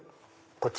こっち。